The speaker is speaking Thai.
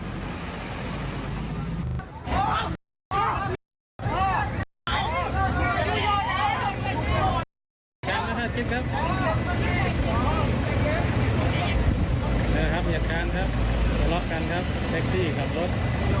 ครับอย่าการครับล็อคกันครับแท็กซี่ขับรถ